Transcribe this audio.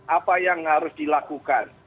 apa yang harus dilakukan